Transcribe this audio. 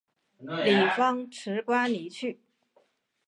李芳辞官离去。